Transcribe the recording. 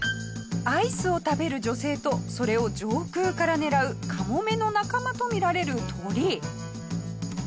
アイスを食べる女性とそれを上空から狙うカモメの仲間とみられる鳥。